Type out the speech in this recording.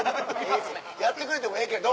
やってくれてもええけど。